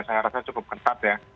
saya rasa cukup ketat ya